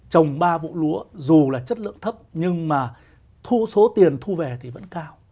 trồng ba vụ lúa dù là chất lượng thấp nhưng mà thu số tiền thu về thì vẫn cao